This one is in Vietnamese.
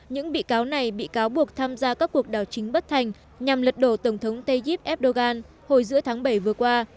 những bị cáo này bị cáo buộc tham gia các cuộc đảo chính bất thành nhằm lật đổ tổng thống tayyip erdogan hồi giữa tháng bảy vừa qua